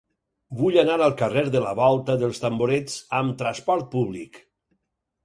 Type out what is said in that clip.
Vull anar al carrer de la Volta dels Tamborets amb trasport públic.